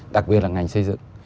đặc biệt là ngành xây dựng